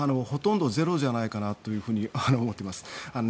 ほとんどゼロじゃないかと思っています。